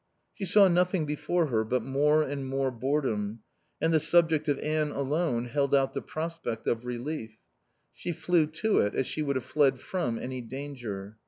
She saw nothing before her but more and more boredom; and the subject of Anne alone held out the prospect of relief. She flew to it as she would have fled from any danger.